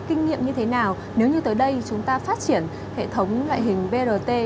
kinh nghiệm như thế nào nếu như tới đây chúng ta phát triển hệ thống loại hình brt